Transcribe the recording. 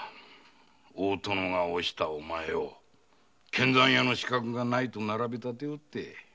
大殿が推したお前を献残屋の資格がないと並べ立ておって。